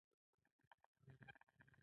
الکترونونه له یو جسم څخه بل جسم ته لیږدیږي.